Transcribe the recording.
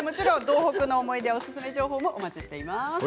道北のおすすめ情報もお待ちしています。